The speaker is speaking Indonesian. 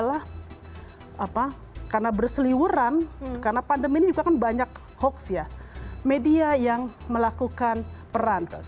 apa karena berseliwuran karena pandemi juga kan banyak hoax ya media yang melakukan peran